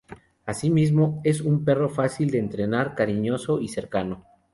Asimismo, es un perro fácil de entrenar, cariñoso y cercano.